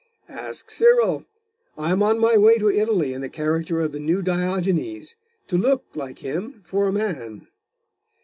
'Ask Cyril. I am on my way to Italy, in the character of the New Diogenes, to look, like him, for a man.